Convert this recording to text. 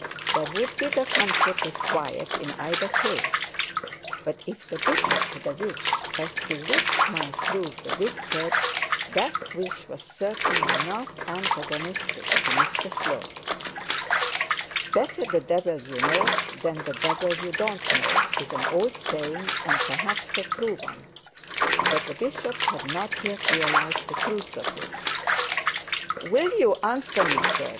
There would be the comfort of quiet in either case; but if the bishop had a wish as to which might prove the victor, that wish was certainly not antagonistic to Mr Slope. 'Better the devil you know than the devil you don't know', is an old saying, and perhaps a true one; but the bishop had not yet realised the truth of it. 'Will you answer me, sir?'